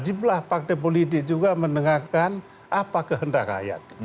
wajiblah partai politik juga mendengarkan apa kehendak rakyat